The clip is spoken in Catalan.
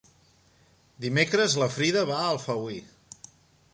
Dimecres na Frida va a Alfauir.